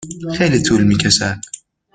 خیلی طول می کشد.